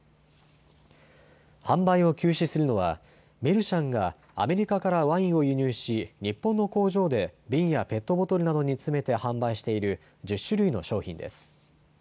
販売を休止するのはメルシャンがアメリカからワインを輸入し日本の工場で瓶やペットボトルなどに詰めて販売している１０種類の商品です。